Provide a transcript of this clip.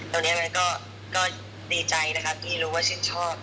ตรงนี้มันก็ดีใจนะครับที่รู้ว่าชื่นชอบ